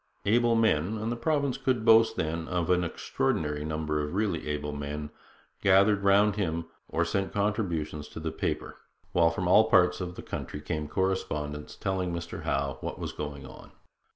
Able men and the province could boast then of an extraordinary number of really able men gathered round him or sent contributions to the paper, while from all parts of the country came correspondence, telling Mr Howe what was going on.